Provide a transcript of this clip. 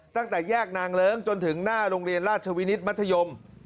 ตั้งแต่แยกนางเลิ้งจนถึงหน้าโรงเรียนราชวินิตมัธยม